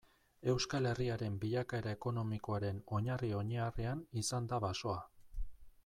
Euskal Herriaren bilakaera ekonomikoaren oinarri-oinarrian izan da basoa.